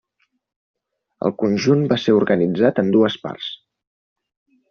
El conjunt va ser organitzat en dues parts.